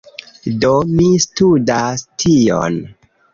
Do, mi studas tion